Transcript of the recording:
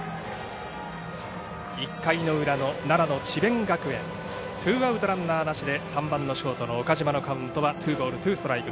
１回の裏、奈良の智弁学園ツーアウト、ランナーなしで岡島のカウントはツーボールツーストライク。